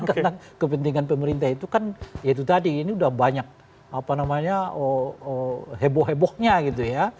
karena kepentingan pemerintah itu kan ya itu tadi ini udah banyak apa namanya heboh hebohnya gitu ya